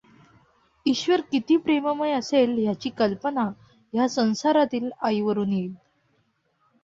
ईश्वर किती प्रेममय असेल ह्याची कल्पना ह्या संसारातील आईवरून येईल.